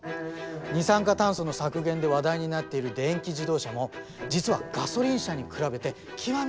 二酸化炭素の削減で話題になっている電気自動車も実はガソリン車に比べて極めて音が静か！